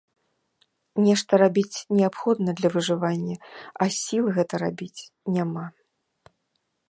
Нешта рабіць неабходна для выжывання, а сіл гэта рабіць няма.